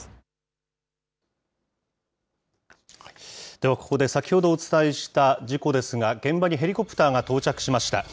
ではここで先ほどお伝えした事故ですが、現場にヘリコプターが到着しました。